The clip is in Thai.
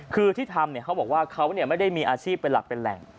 คือที่ทำเขาบอกว่าเขาไม่ได้มีอาชีพเป็นหลักเป็นแหล่ง